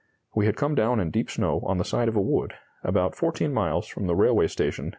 We had come down in deep snow on the side of a wood, about 14 miles from the railway station at Markaryd.